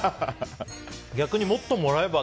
逆にもっともらえば？